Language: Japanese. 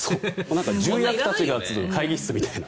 重役たちが集まる会議室みたいな。